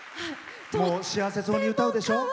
幸せそうに歌うでしょう。